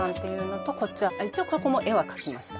一応ここも絵は描きました。